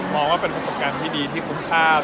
ว่าเป็นประสบการณ์ที่ดีที่คุ้มค่า